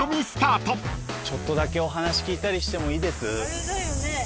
ちょっとだけお話聞いたりしてもいいです？